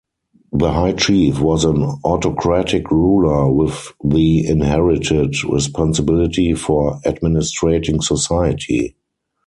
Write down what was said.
The high chief was an autocratic ruler with the inherited responsibility for administrating society.